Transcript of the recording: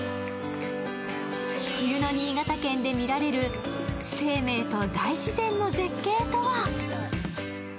冬の新潟県で見られる生命と大自然の絶景とは？